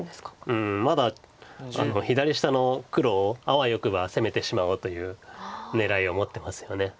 うんまだ左下の黒をあわよくば攻めてしまおうという狙いを持ってますよね。